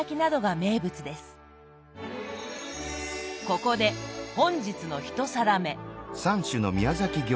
ここで本日の１皿目。